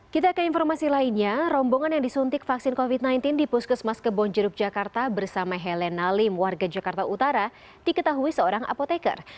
kita ke informasi lainnya rombongan yang disuntik vaksin covid sembilan belas di puskesmas kebonjeruk jakarta bersama helen nalim warga jakarta utara diketahui seorang apoteker